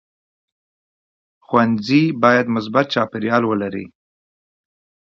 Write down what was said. ښوونځی باید مثبت چاپېریال ولري.